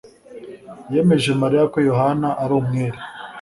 yemeje Mariya ko Yohana ari umwere.